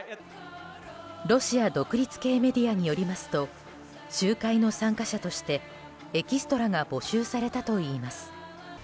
ロシア独立系メディアによりますと集会の参加者としてエキストラが募集されたといいます。